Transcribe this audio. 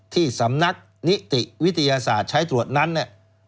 ที่สำนักนิติวิทยาศาสตร์ใช้ตรวจนั้นเนี่ย